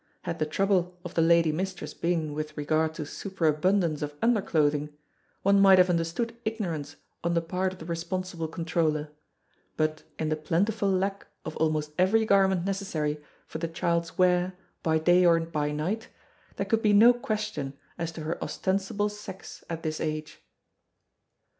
Had the trouble of the lady mistress been with regard to superabundance of underclothing, one might have understood ignorance on the part of the responsible controller; but in the plentiful lack of almost every garment necessary for the child's wear by day or by night there could be no question as to her ostensible sex at this age.